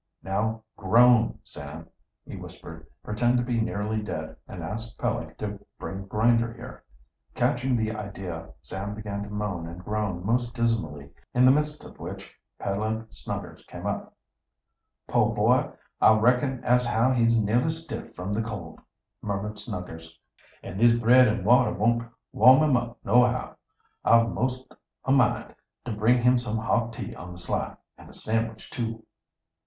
"Now groan, Sam," he whispered. "Pretend to be nearly dead, and ask Peleg to bring Grinder here." Catching the idea, Sam began to moan and groan most dismally, in the midst of which Peleg Snuggers came up. "Poor boy, I reckon as how he's nearly stiff from the cold," murmured Snuggers. "And this bread and water won't warm him up nohow. I've most a mind to bring him some hot tea on the sly, and a sandwich, too."